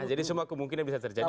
jadi semua kemungkinan bisa terjadi